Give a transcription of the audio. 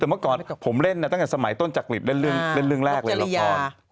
แต่เมื่อก่อนผมเล่นตั้งแต่สมัยต้นจักริตเล่นเรื่องแรกเลยละคร